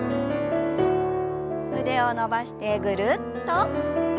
腕を伸ばしてぐるっと。